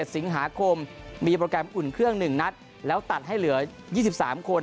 สิงหาคมมีโปรแกรมอุ่นเครื่อง๑นัดแล้วตัดให้เหลือ๒๓คน